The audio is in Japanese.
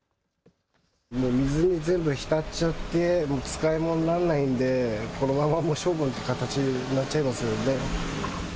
水に全部浸っちゃって使い物にならないのでこのまま処分って形になっちゃいますよね。